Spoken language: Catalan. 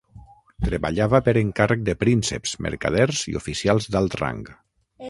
Treballava per encàrrec de prínceps, mercaders i oficials d'alt rang.